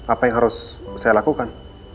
apa yang harus saya lakukan